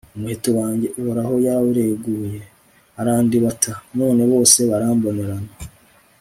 umuheto wanjye, uhoraho yarawureguye, arandibata, none bose barambonerana